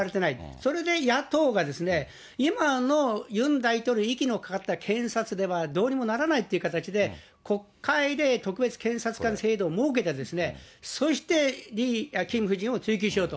それで野党がですね、今のユン大統領、息のかかった検察ではどうにもならないって形で、国会で特別検察官制度を設けて、そして、キム夫人を追及しようと。